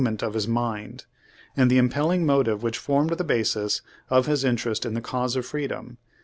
ent of his mind, and the impelling motive which formed Page Thirty one the basis of his interest in the cause of freedom.